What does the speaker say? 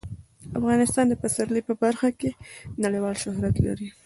افغانستان د پسرلی په برخه کې نړیوال شهرت لري.